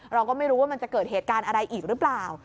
เราก็ไม่รู้ว่ามันจะเกิดเหตุการณ์อะไรอีกหรือเปล่า